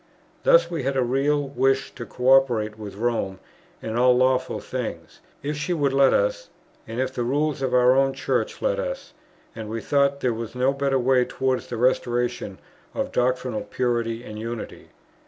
Thus we had a real wish to co operate with Rome in all lawful things, if she would let us, and if the rules of our own Church let us; and we thought there was no better way towards the restoration of doctrinal purity and unity.